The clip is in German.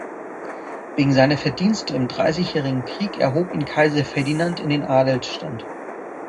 Wegen seiner Verdienste im Dreißigjährigen Krieg erhob ihn Kaiser Ferdinand in den Adelsstand.